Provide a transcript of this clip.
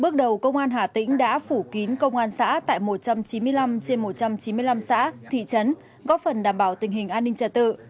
bước đầu công an hà tĩnh đã phủ kín công an xã tại một trăm chín mươi năm trên một trăm chín mươi năm xã thị trấn góp phần đảm bảo tình hình an ninh trật tự